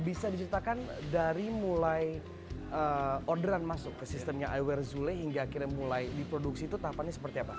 bisa diceritakan dari mulai orderan masuk ke sistemnya i wear zulay hingga akhirnya mulai diproduksi ke sini ya